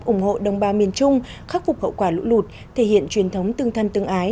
ủng hộ đồng bào miền trung khắc phục hậu quả lũ lụt thể hiện truyền thống tương thân tương ái